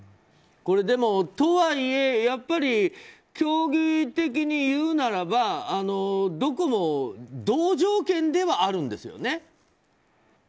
でも、とはいえやっぱり競技的に言うならばどこも同条件ではあるんですよね。